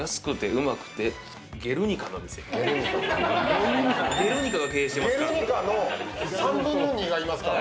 ゲルニカが経営してますから。